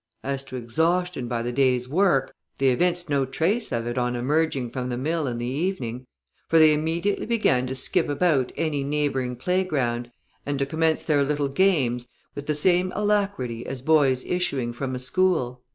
As to exhaustion by the day's work, they evinced no trace of it on emerging from the mill in the evening; for they immediately began to skip about any neighbouring playground, and to commence their little games with the same alacrity as boys issuing from a school."